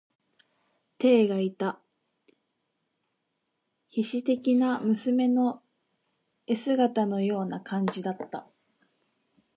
てえがいた、稗史的な娘の絵姿のような感じだった。